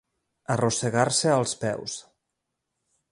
Arrossegar-se als peus.